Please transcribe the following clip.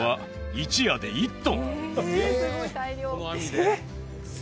一夜で１トン？